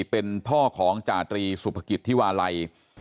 เป็นพ่อของจาตรีสุภกิจที่วาลัย